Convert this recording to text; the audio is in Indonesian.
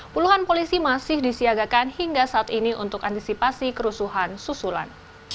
puluhan polisi masih disiagakan hingga saat ini untuk antisipasi kerusuhan susulan